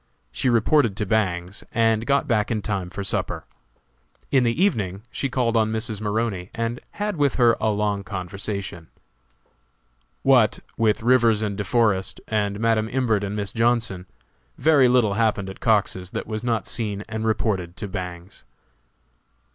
She reported to Bangs, and got back in time for supper. In the evening she called on Mrs. Maroney and had with her a long conversation. What, with Rivers and De Forest, and Madam Imbert and Miss Johnson, very little happened at Cox's that was not seen and reported to Bangs.